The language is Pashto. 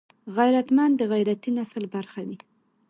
غیرتمند د غیرتي نسل برخه وي